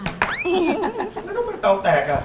แล้วทำไมเตาแตกอ่ะ